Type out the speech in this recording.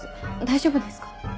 大丈夫ですか？